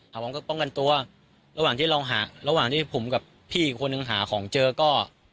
ผมก็ป้องกันตัวระหว่างที่ลองหาระหว่างที่ผมกับพี่อีกคนนึงหาของเจอก็